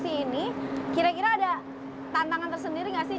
seribu porsi ini kira kira ada tantangan tersendiri nggak sih